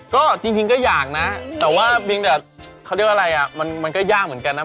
ก็จริงก็อยากนะแต่ว่าเพียงแต่เขาเรียกว่าอะไรอ่ะมันก็ยากเหมือนกันนะ